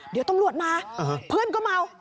เดี๋ยวตำรวจมาเพื่อนก็เมา